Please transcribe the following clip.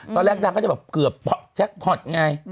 ตอนแรกนางก็จะแบบเกือบแจ็คพอร์ตไง